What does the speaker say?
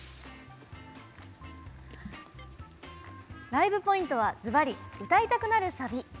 ライブポイントは、ずばり歌いたくなるサビ。